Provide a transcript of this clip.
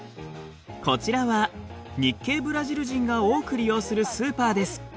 こちらは日系ブラジル人が多く利用するスーパーです。